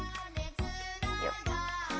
よっ！